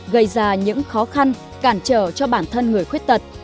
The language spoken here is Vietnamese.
gây ra những khó khăn cản trở cho bản thân người khuyết tật